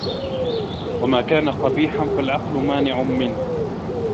وَمَا كَانَ قَبِيحًا فَالْعَقْلُ مَانِعٌ مِنْهُ